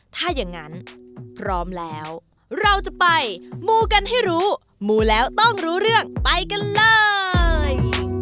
ถ้าอย่างนั้นพร้อมแล้วเราจะไปมูกันให้รู้มูแล้วต้องรู้เรื่องไปกันเลย